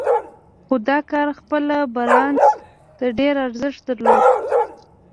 خو دا کار خپله بارنس ته ډېر ارزښت درلود.